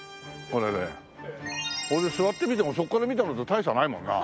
これで座って見てもそこから見たのと大差ないもんな。